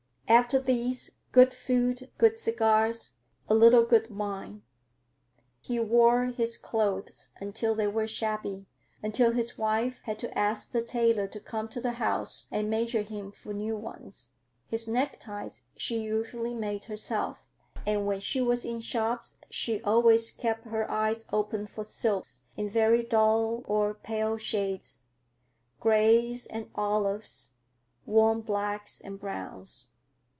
After these, good food, good cigars, a little good wine. He wore his clothes until they were shabby, until his wife had to ask the tailor to come to the house and measure him for new ones. His neckties she usually made herself, and when she was in shops she always kept her eye open for silks in very dull or pale shades, grays and olives, warm blacks and browns.